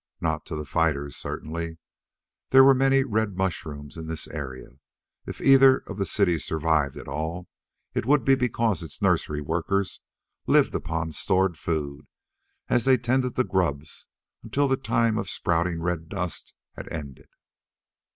Not to the fighters, certainly. There were many red mushrooms in this area. If either of the cities survived at all, it would be because its nursery workers lived upon stored food as they tended the grubs until the time of the spouting red dust had ended.